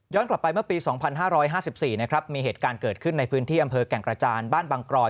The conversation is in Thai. กลับไปเมื่อปี๒๕๕๔นะครับมีเหตุการณ์เกิดขึ้นในพื้นที่อำเภอแก่งกระจานบ้านบางกรอย